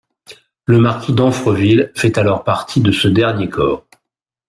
Le marquis d'Amfreville fait alors partie de ce dernier corps.